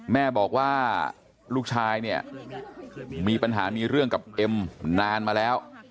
แม่บอกว่าลูกชายเนี่ยมีปัญหามีเรื่องกับเอ็มนานมาแล้ว